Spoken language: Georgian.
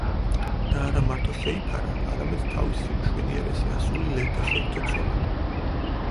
და არა მარტო შეიფარა, არამედ თავისი უმშვენიერესი ასული ლედა შერთო ცოლად.